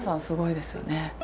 すごいですよね。